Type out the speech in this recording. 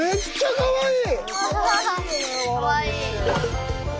かわいい。